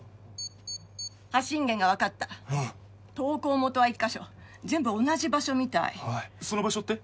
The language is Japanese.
発信源が分かった投稿元は１カ所全部同じ場所みたいその場所って？